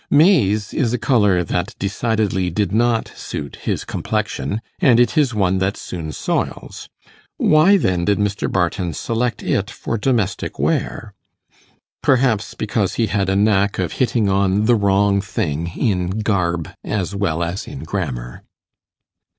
Maize is a colour that decidedly did not suit his complexion, and it is one that soon soils; why, then, did Mr. Barton select it for domestic wear? Perhaps because he had a knack of hitting on the wrong thing in garb as well as in grammar.